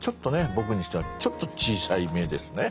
僕にしてはちょっと小さめですね。